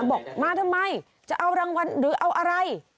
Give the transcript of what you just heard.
บอกมาทำไมจะเอารางวัลหรือเอาอะไร